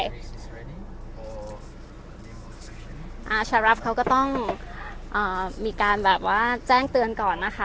หาชารัฟเขาก็ต้องมีการแจ้งเตือนก่อนนะคะ